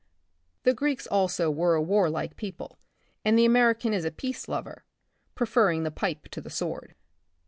The Greeks also were a warlike people, and the American is a peace lover, preferring the pipe to the sword.